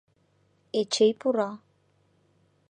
Эчей пура.